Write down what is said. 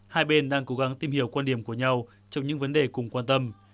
hai bên đang cố gắng tìm hiểu quan điểm của nhau trong những vấn đề cùng quan tâm